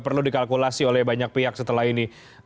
perlu dikalkulasi oleh banyak pihak setelah ini